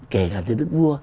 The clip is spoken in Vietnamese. kể cả từ đất vua